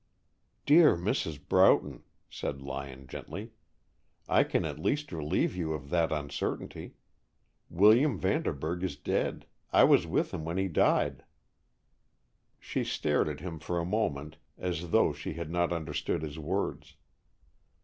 "Dear Mrs. Broughton," said Lyon, gently, "I can at least relieve you of that uncertainty. William Vanderburg is dead. I was with him when he died." She stared at him for a moment as though she had not understood his words.